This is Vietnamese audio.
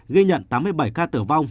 ghi nhận tám mươi bảy ca tử vong